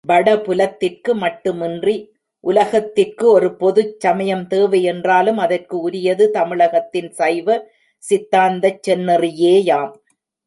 வடபுலத்திற்கு மட்டுமின்றி உலகத்திற்கு ஒரு பொதுச் சமயம் தேவை என்றாலும் அதற்கு உரியது தமிழகத்தின் சைவ சித்தாந்தச் செந்நெறியேயாம்.